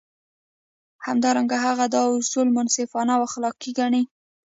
همدارنګه هغه دا اصول منصفانه او اخلاقي ګڼي.